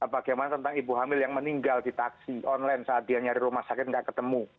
bagaimana tentang ibu hamil yang meninggal di taksi online saat dia nyari rumah sakit tidak ketemu